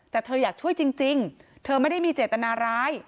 แต่เธออยากช่วยจริงเธอไม่ได้มีเจตนาร้าย